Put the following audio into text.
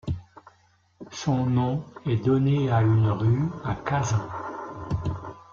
Son nom est donné à une rue à Kazan.